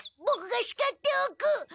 ボクがしかっておく。